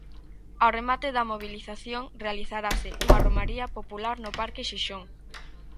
Ao remate da mobilización realizarase unha romaría popular no Parque Xixón.